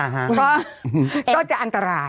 เพราะว่าต้นจะอันตราย